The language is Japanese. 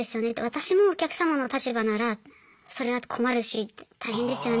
私もお客様の立場ならそれは困るし大変ですよね